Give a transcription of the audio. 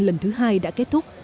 lần thứ hai đã kết thúc